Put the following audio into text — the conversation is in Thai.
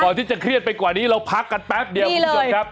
ก่อนที่จะเครียดไปกว่านี้เราพักกันแป๊บเดี๋ยว